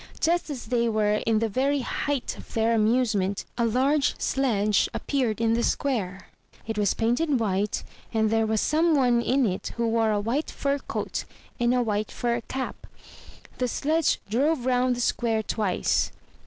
Just as they were in the very height of their amusement, a large sledge appeared in the square; it was painted white, and there was some one in it who wore a white fur coat and a white fur cap. The sledge drove round the square twice.